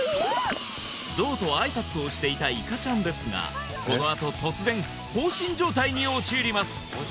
ゾウと挨拶をしていたいかちゃんですがこのあと突然放心状態に陥ります